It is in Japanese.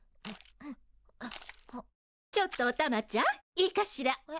ちょっとおたまちゃんいいかしら？